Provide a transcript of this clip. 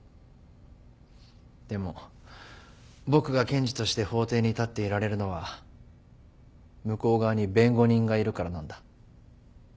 でも僕が検事として法廷に立っていられるのは向こう側に弁護人がいるからなんだ。